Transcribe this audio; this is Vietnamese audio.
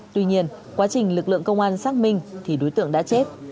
tuy nhiên quá trình lực lượng công an xác minh thì đối tượng đã chết